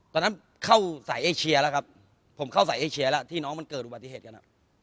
ตอนนั้นเข้าสายเอเชียแล้วครับผมเข้าสายเอเชียแล้วที่น้องมันเกิดอุบัติเหตุกัน